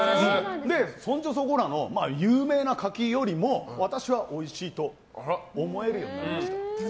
そんじょそこらの有名な柿よりも私はおいしいと思えるようになりました。